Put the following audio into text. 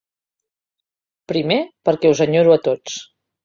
Primer, perquè us enyoro a tots.